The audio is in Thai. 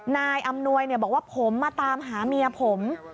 นายอำนวยบอกว่าผมมาตามหาเมียผม